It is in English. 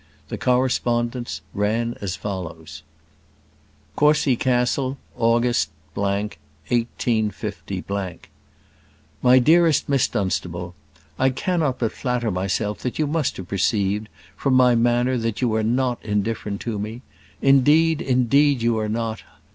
The correspondence ran as follows: Courcy Castle, Aug. , 185 . MY DEAREST MISS DUNSTABLE, I cannot but flatter myself that you must have perceived from my manner that you are not indifferent to me. Indeed, indeed, you are not.